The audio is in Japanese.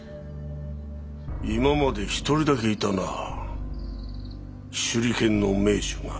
今まで一人だけいたなぁ手裏剣の名手が。